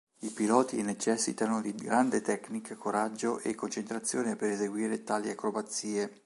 I piloti necessitano di grande tecnica, coraggio e concentrazione per esibire tali acrobazie.